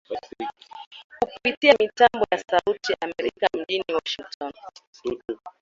kupitia mitambo ya Sauti ya Amerika mjini Washington